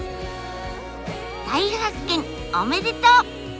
大発見おめでとう！